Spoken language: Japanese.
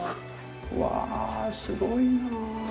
うわぁ、すごいなぁ。